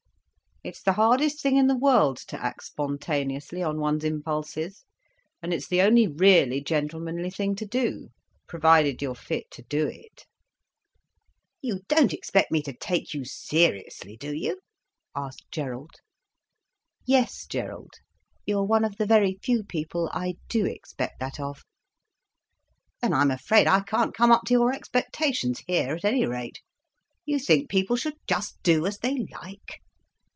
It's the hardest thing in the world to act spontaneously on one's impulses—and it's the only really gentlemanly thing to do—provided you're fit to do it." "You don't expect me to take you seriously, do you?" asked Gerald. "Yes, Gerald, you're one of the very few people I do expect that of." "Then I'm afraid I can't come up to your expectations here, at any rate. You think people should just do as they like."